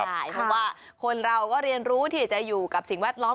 ใช่เพราะว่าคนเราก็เรียนรู้ที่จะอยู่กับสิ่งแวดล้อม